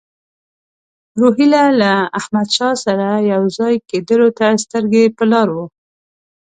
روهیله له احمدشاه سره یو ځای کېدلو ته سترګې په لار وو.